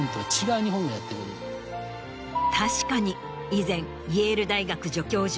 確かに以前イェール大学助教授